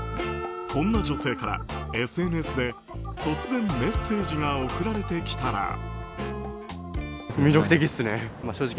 こんな女性からＳＮＳで突然メッセージが送られてきたら。